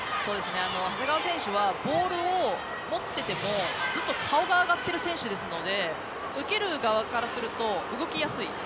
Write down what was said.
長谷川選手はボールを持っていてもずっと顔が上がっている選手なので受ける側からすると動きやすい。